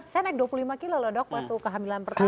saya naik dua puluh lima kilo loh dok waktu kehamilan pertama